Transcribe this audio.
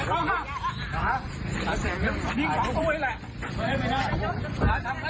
หมอช่วยด้วย